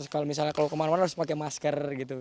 kalau kemana mana harus pakai masker